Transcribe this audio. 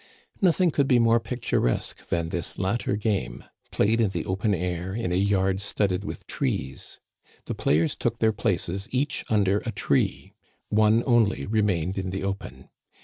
Nothing could be more picturesque than this latter game, played in the open air in a yard studded with trees. The players took their places each under a tree. One only remained in the open.